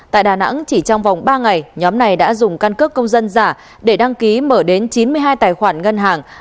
tại đà nẵng chỉ trong vòng ba ngày nhóm này đã dùng căn cước công dân giả để đăng ký mở đến chín mươi hai tài khoản ngân hàng